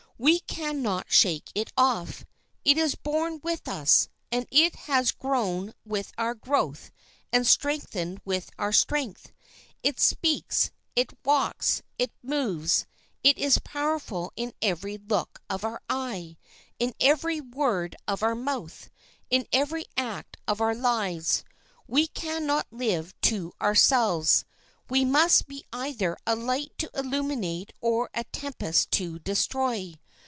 We can not shake it off. It is born with us, and it has grown with our growth and strengthened with our strength. It speaks, it walks, it moves; it is powerful in every look of our eye, in every word of our mouth, in every act of our lives. We can not live to ourselves. We must be either a light to illumine or a tempest to destroy.